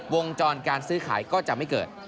วงจรการซื้อขายก็จะไม่เกิด